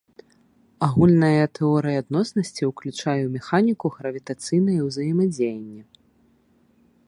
Агульная тэорыя адноснасці ўключае ў механіку гравітацыйнае ўзаемадзеянне.